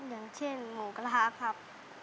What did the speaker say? อย่างเช่นหมูกระทะครับ